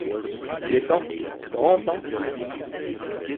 Il est temps,. grand temps !…